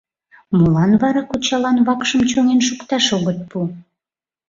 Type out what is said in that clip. — Молан вара кочалан вакшым чоҥен шукташ огыт пу?